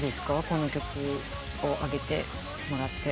この曲を挙げてもらって。